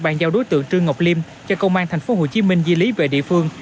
bàn giao đối tượng trương ngọc liêm cho công an tp hcm di lý về địa phương